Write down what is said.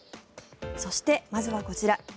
そして、まずはこちら。